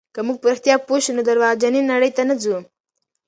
که موږ په رښتیا پوه شو، نو درواغجنې نړۍ ته نه ځو.